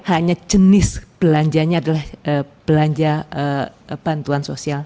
hanya jenis belanjanya adalah belanja bantuan sosial